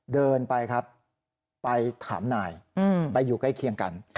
เดินไปครับไปถามนายไปอยู่ใกล้เคียงกัน